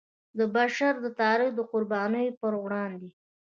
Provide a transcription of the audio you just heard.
د بشر د تاریخ د قربانیو پر وړاندې.